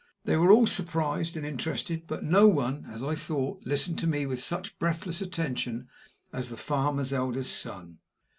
They were all surprised and interested, but no one, as I thought, listened to me with such breathless attention as the farmer's eldest son.